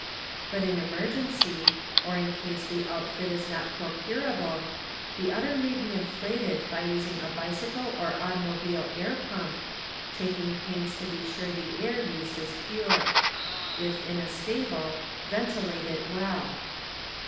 But in emergency, or in case the outfit is not procurable, the udder may be in flated by usin^ a bicycle or automobile air pump, takmg pains to be sure the air used is pure. If in a stable, venti late it well.